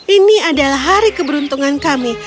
ini adalah hari keberuntungan kami